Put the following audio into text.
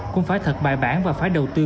cũng phải thật bài bản và phải đầu tư